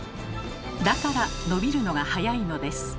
だから伸びるのがはやいのです。